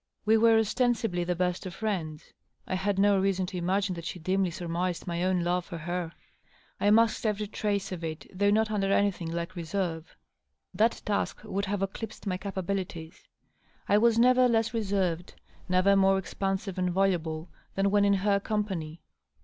We were ostensi bly the best of friends. 1 had no reason to imagine that she dimly sur mised my own love for her. I masked every trace of it, though not under anything like reserve. That task would have eclipsed my capa bilities. I was never less reserved, never more expansive and voluble, than when in her company.